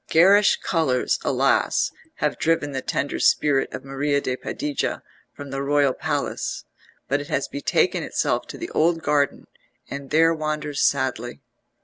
Garish colours, alas! have driven the tender spirit of Maria de Padilla from the royal palace, but it has betaken itself to the old garden, and there wanders sadly.